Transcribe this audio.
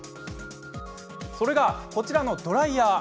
それが、こちらのドライヤー。